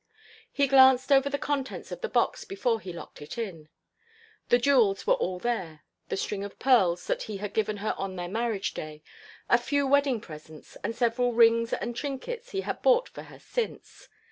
He had glanced over the contents of the box before he locked it in. The jewels were all there, the string of pearls that he had given her on their marriage day, a few wedding presents, and several rings and trinkets he had bought for her since.